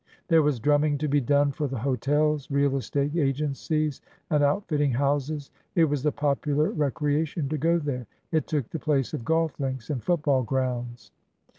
There was drumming to be done for the hotels^ real estate agencies, and outfitting houses. It was the popular recreation to go there. It took the place of golf links and football grounds.